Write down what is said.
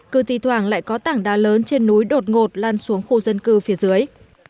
cư tỷ toảng lại có tảng đá lớn trên núi đột ngột lan xuống khu dân cư phía dưới